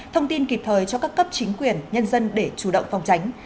thông tin kịp thời cho các cấp chính quyền nhân dân để chủ động phòng tránh